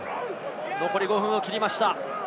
残り５分を切りました。